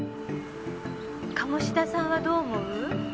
鴨志田さんはどう思う？